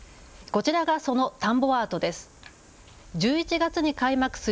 こちらがその田んぼアートです。